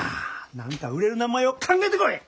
何か売れる名前を考えてこい！